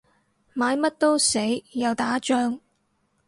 買乜都死，又打仗